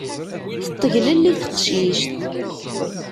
Teṭṭeglelli teqcict.